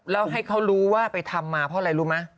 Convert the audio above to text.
แล้วให้เขารู้ว่าไปทำมาเพราะอะไรรู้ไหม